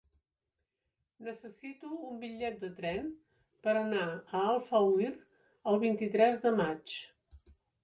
Necessito un bitllet de tren per anar a Alfauir el vint-i-tres de maig.